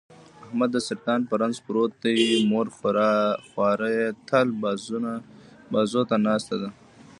احمد د سرطان په رنځ پروت دی، مور خواره یې تل بازوته ناسته ده.